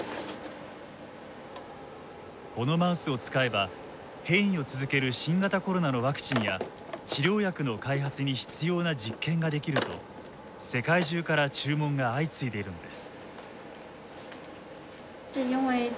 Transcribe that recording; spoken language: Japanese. このマウスを使えば変異を続ける新型コロナのワクチンや治療薬の開発に必要な実験ができると世界中から注文が相次いでいるのです。